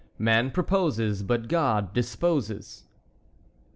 MAN PROPOSES BUT GOD DISPOSES.